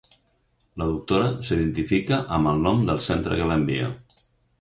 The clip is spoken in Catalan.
La doctora s'identifica amb el nom del centre que l'envia.